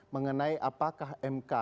mengenai apakah mk